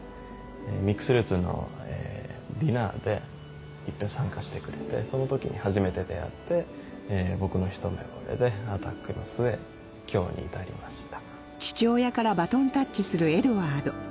ミックスルーツのディナーで一遍参加してくれてその時に初めて出会って僕の一目惚れでアタックの末今日に至りました。